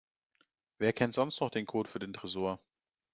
Wer kennt sonst noch den Code für den Tresor?